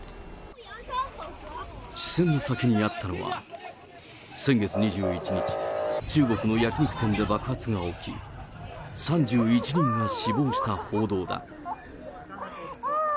視線の先にあったのは、先月２１日、中国の焼き肉店で爆発が起き、３１人が死亡した報道だ。